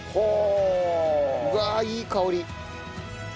うわあいい香り。